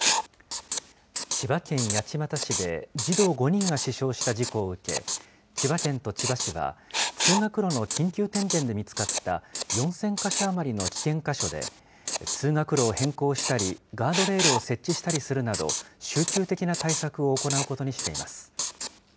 千葉県八街市で、児童５人が死傷した事故を受け、千葉県と千葉市は、通学路の緊急点検で見つかった４０００か所余りの危険箇所で、通学路を変更したり、ガードレールを設置したりするなど、集中的な対策を行うことにしています。